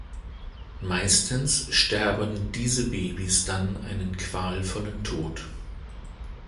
Meistens sterben diese Babys dann einen qualvollen Tod.